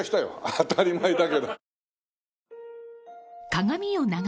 当たり前だけど。